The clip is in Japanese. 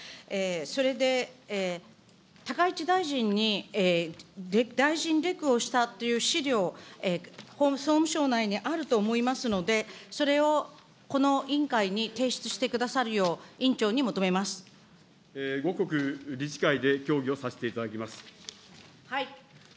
それで、高市大臣に大臣レクをしたという資料、総務省内にあると思いますので、それをこの委員会に提出してくださるよう、後刻、理事会で協議をさせていただきます。